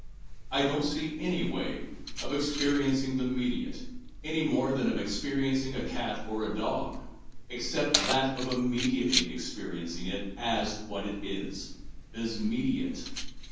I don't see any way of experiencing the mediate (any more than of experiencing a cat or a dog) excepting that of immediately experiencing it as what it is, viz., mediate.